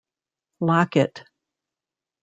Lock it.